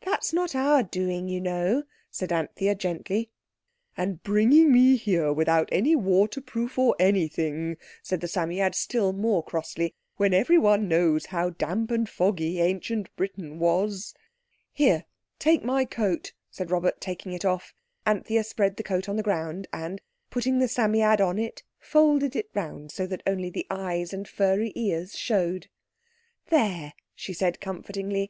"That's not our doing, you know," said Anthea gently. "And bringing me here without any waterproof or anything," said the Psammead still more crossly, "when everyone knows how damp and foggy Ancient Britain was." "Here, take my coat," said Robert, taking it off. Anthea spread the coat on the ground and, putting the Psammead on it, folded it round so that only the eyes and furry ears showed. "There," she said comfortingly.